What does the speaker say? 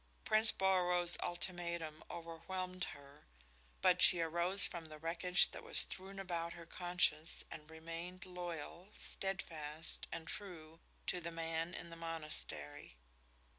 Prince Bolaroz's ultimatum overwhelmed her, but she arose from the wreckage that was strewn about her conscience and remained loyal, steadfast and true to the man in the monastery.